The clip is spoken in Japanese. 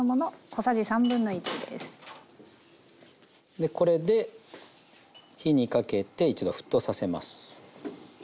でこれで火にかけて一度沸騰させます。